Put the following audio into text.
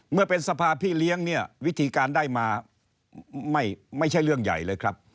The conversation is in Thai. เมื่อเป็นสภาพพี่เลี้ยงเนี่ยวิธีการได้มาไม่ใช่เรื่องใหญ่เลยครับ